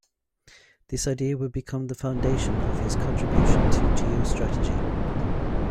This idea would become the foundation of his contribution to geostrategy.